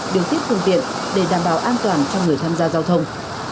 điều tiết phương tiện để đảm bảo an toàn cho người tham gia giao thông